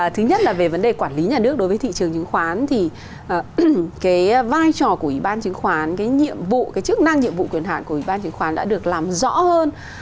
thứ nhất là về vấn đề quản lý nhà nước đối với thị trường chứng khoán thì cái vai trò của ủy ban chứng khoán cái nhiệm vụ cái chức năng nhiệm vụ quyền hạn của ủy ban chứng khoán đã được làm rõ hơn